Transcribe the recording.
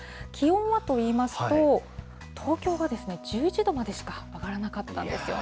気温はといいますと、東京は１１度までしか上がらなかったんです